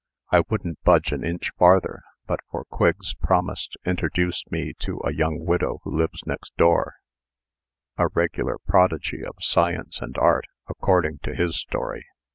I wouldn't budge an inch farther, but for Quigg's promise to introduce me to a young widow who lives next door a regular prodigy of science and art, according to his story.